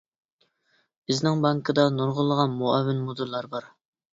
بىزنىڭ بانكىدا نۇرغۇنلىغان مۇئاۋىن مۇدىرلار بار.